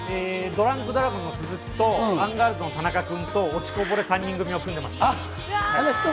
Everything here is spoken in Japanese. ドランクドラゴンの鈴木とアンガールズの田中君と落ちこぼれ３人組を組んでました。